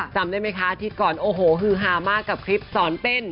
จำได้ไหมคะอาทิตย์ก่อนโอ้โหฮือฮามากกับคลิปสอนเต้น